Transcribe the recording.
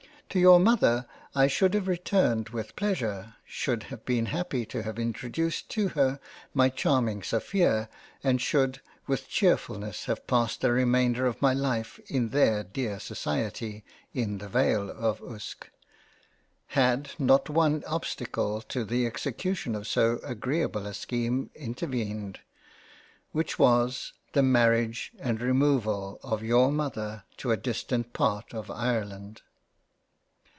To your Mother I should have returned with Pleasure, should have been happy to have introduced to her, my charming Sophia and should with Chearfullness have passed the remainder of my Life in their dear Society in the Vale of Uske, had not one obstacle to the execution of so agreable a scheme, intervened ; which was the Marriage and Removal of your Mother to a distant part of Ireland.